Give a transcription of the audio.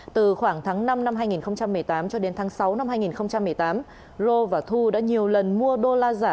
từ khoảng tháng năm năm hai nghìn một mươi tám cho đến tháng sáu năm hai nghìn một mươi tám ro và thu đã nhiều lần mua đô la giả